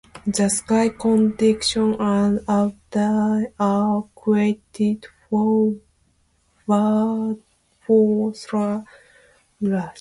The sky conditions at Udaipur are quite favourable for solar observations.